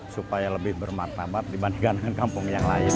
supaya lebih bermakna makna dibandingkan dengan kampung yang lain